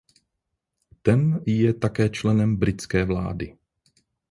Ten je také členem britské vlády.